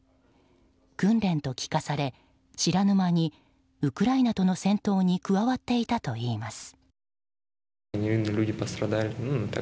訓練と聞かされ知らぬ間にウクライナとの戦闘に加わっていたといいます。